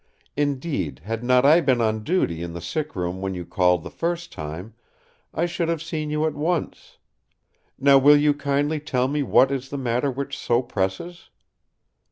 Indeed, had not I been on duty in the sick room when you called the first time, I should have seen you at once. Now will you kindly tell me what is the matter which so presses?"